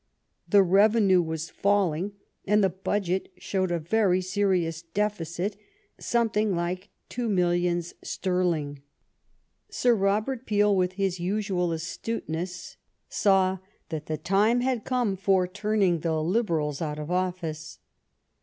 The revenue was falling and the budget showed a very serious deficit, something like two millions sterling. Sir Robert Peel, with his usual astuteness, saw that the time had come for turning the Liberals out of office.